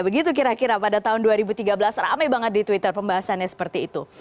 begitu kira kira pada tahun dua ribu tiga belas rame banget di twitter pembahasannya seperti itu